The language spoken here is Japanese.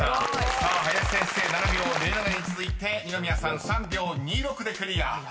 さあ林先生７秒０７に続いて二宮さん３秒２６でクリア］